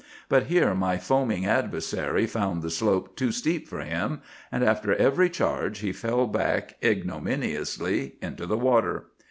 But here my foaming adversary found the slope too steep for him, and after every charge he fell back ignominiously into the water.